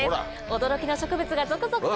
驚きの植物が続々登場！